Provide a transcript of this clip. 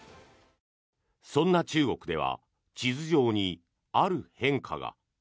そんな中国では地図上にある変化が。